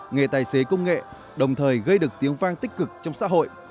nghề tài xế công nghệ đồng thời gây được tiếng vang tích cực trong xã hội